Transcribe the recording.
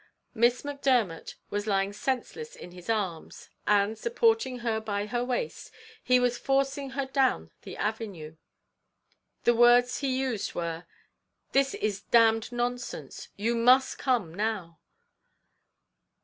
Miss Macdermot was lying senseless in his arms, and, supporting her by her waist, he was forcing her down the avenue. The words he used were, 'This is damned nonsense, you must come now.'